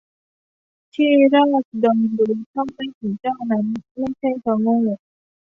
ที่ราษฎรรู้เท่าไม่ถึงเจ้านั้น ไม่ใช่เพราะโง่